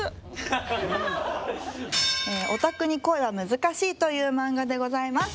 「ヲタクに恋は難しい」という漫画でございます。